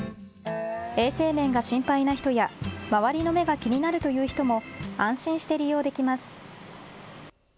衛生面が心配な人や周りの目が気になるという人も安心して利用できます。